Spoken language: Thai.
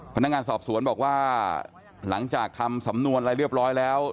พนักงานสอบสวนบอกว่าหลังจากทำสำนวนอะไรเรียบร้อยแล้ว